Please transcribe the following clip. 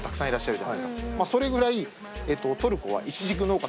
まぁそれぐらい。